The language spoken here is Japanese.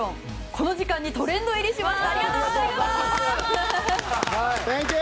この時間に何とトレンド入りしました。